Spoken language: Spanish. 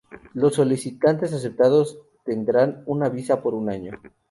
Los solicitantes aceptados tendrán una visa por un año.